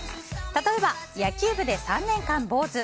例えば、野球部で３年間坊主。